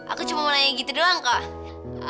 aku cuma mau nanya gitu doang kak